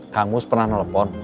kampus pernah nelfon